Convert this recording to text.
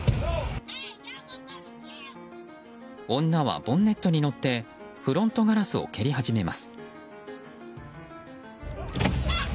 女はボンネットに乗ってフロントガラスを蹴り始めます。